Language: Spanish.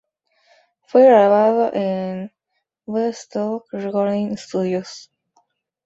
Fue grabado en "Westlake Recording Studios".